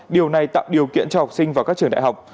điều này tạo điều kiện cho học sinh vào các trường đại học